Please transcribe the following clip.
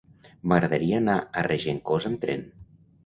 M'agradaria anar a Regencós amb tren.